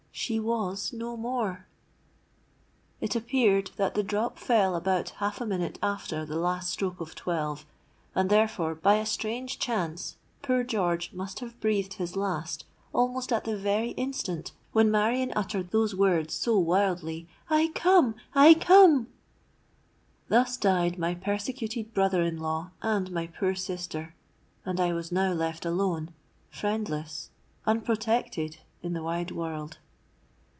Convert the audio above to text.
She was no more! "It appeared that the drop fell about half a minute after the last stroke of twelve; and, therefore, by a strange chance, poor George must have breathed his last almost at the very instant when Marion uttered those words so wildly—'I come! I come!'—Thus died my persecuted brother in law and my poor sister; and I was now left alone—friendless—unprotected in the wide world.